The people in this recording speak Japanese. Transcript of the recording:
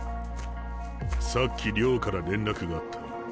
さっき寮から連絡があった。